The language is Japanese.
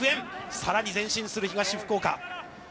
さらに前進する東福岡。